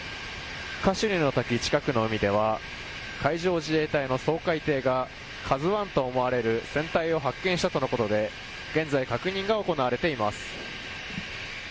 カシュニの滝近くの海では海上自衛隊の掃海艇が「ＫＡＺＵ１」と思われる船体を発見したとのことで現在、確認が行われています。